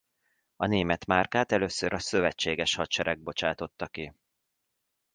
A német márkát először a szövetséges hadsereg bocsátotta ki.